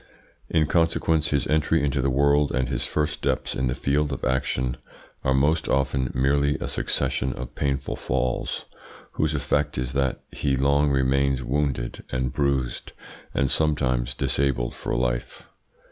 In consequence, his entry into the world and his first steps in the field of action are most often merely a succession of painful falls, whose effect is that he long remains wounded and bruised, and sometimes disabled for life.